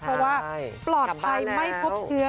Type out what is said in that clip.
เพราะว่าปลอดภัยไม่พบเชื้อ